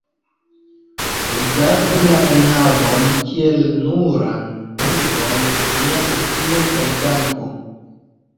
Rigardu la enhavon kiel nuran pruvon de nia estimo kaj danko.